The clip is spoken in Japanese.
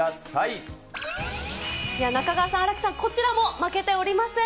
中川さん、新木さん、こちらも負けておりません。